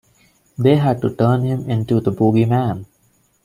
They had to turn him into the Boogie Man.